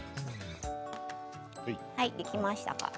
できましたか？